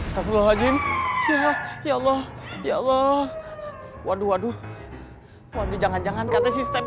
setelah hajin ya ya allah ya allah waduh waduh waduh jangan jangan kata sistem